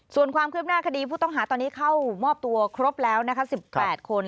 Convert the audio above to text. ส่วนความคืบหน้าคดีผู้ต้องหาตอนนี้เข้ามอบตัวครบแล้วนะคะ๑๘คน